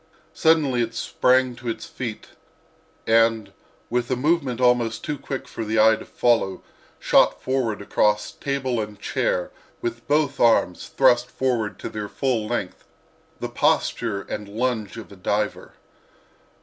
Suddenly it sprang to its feet and with a movement almost too quick for the eye to follow shot forward across table and chair, with both arms thrust forth to their full length—the posture and lunge of a diver.